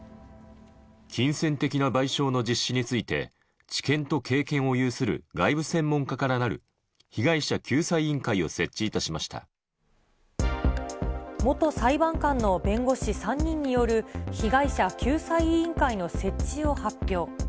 金銭的な賠償の実施について、知見と経験を有する外部専門家からなる被害者救済委員会を設置い元裁判官の弁護士３人による被害者救済委員会の設置を発表。